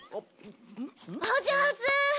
お上手。